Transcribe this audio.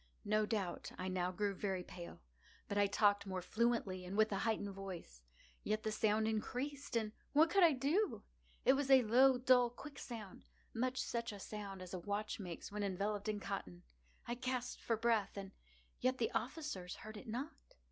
No doubt I now grew very pale;—but I talked more fluently, and with a heightened voice. Yet the sound increased—and what could I do? It was a low, dull, quick sound—much such a sound as a watch makes when enveloped in cotton. I gasped for breath—and yet the officers heard it not.